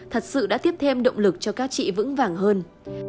thật sự đã tiếp thêm động lực cho các chị vững vàng hơn